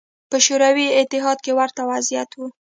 په شوروي اتحاد کې ورته وضعیت و